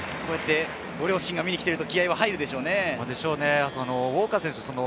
ご両親が見に来ていると気合いが入るでしょうね。